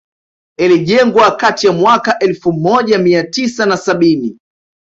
Ilijengwa kati ya mwaka elfu moja mia tisa na sabini